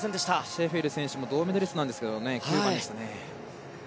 シェフェル選手も銅メダリストなんですけど９番でしたね。